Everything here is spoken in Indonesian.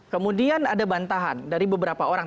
kemudian ada bantahan dari beberapa orang